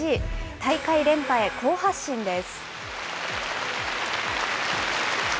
大会連覇へ、好発進です。